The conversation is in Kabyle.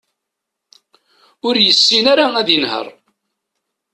Ur yessin ara ad inher.